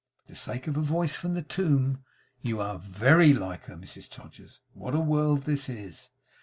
For the sake of a voice from the tomb. You are VERY like her Mrs Todgers! What a world this is!